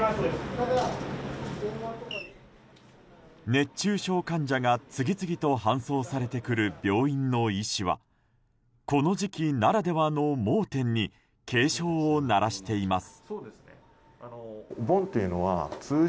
熱中症患者が次々と搬送されてくる病院の医師はこの時期ならではの盲点に警鐘を鳴らしています。